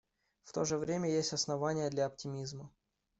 В то же время есть основания для оптимизма.